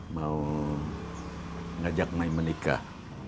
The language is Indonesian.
mau ngajak mai menikah